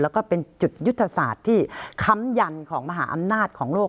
แล้วก็เป็นจุดยุทธศาสตร์ที่ค้ำยันของมหาอำนาจของโลก